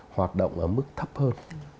nó không rõ hơn